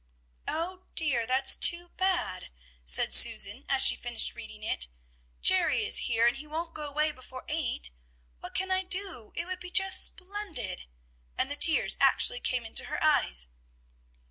"Oh, dear! that's too bad!" said Susan, as she finished reading it. "Jerry is here, and he won't go away before eight. What can I do? it would be just splendid!" And the tears actually came into her eyes.